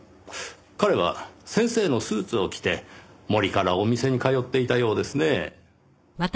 彼は先生のスーツを着て森からお店に通っていたようですねぇ。